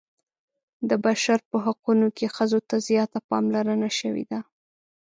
د بشر په حقونو کې ښځو ته زیاته پاملرنه شوې ده.